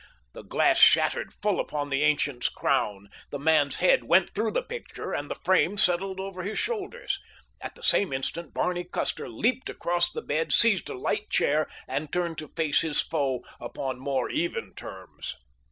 The glass shattered full upon the ancient's crown, the man's head went through the picture, and the frame settled over his shoulders. At the same instant Barney Custer leaped across the bed, seized a light chair, and turned to face his foe upon more even terms.